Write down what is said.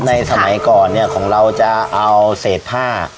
สมัยก่อนเนี่ยของเราจะเอาเศษผ้า